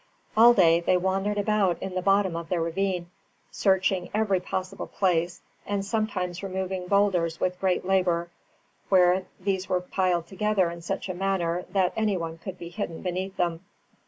All day they wandered about in the bottom of the ravine, searching every possible place, and sometimes removing boulders with great labour, where these were piled together in such a manner that any one could be hidden beneath them.